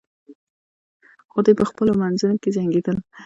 خو دوی په خپلو منځو کې جنګیدل.